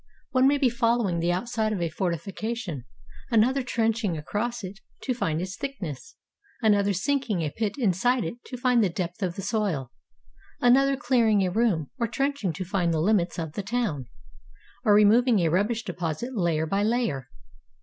One may be fol lowing the outside of a fortification, another trenching across it to find its thickness, another sinking a pit inside it to find the depth of the soil, another clearing a room, or trenching to find the limits of the town, or removing a rubbish deposit layer by layer.